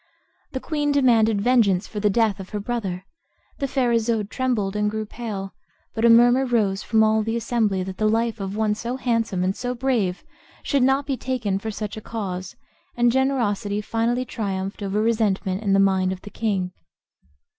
The queen demanded vengeance for the death of her brother; the fair Isoude trembled and grew pale, but a murmur rose from all the assembly that the life of one so handsome and so brave should not be taken for such a cause, and generosity finally triumphed over resentment in the mind of the king.